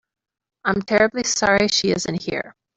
I'm terribly sorry she isn't here.